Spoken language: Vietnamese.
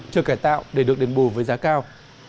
chờ cải tạo để được đền bù với giá cao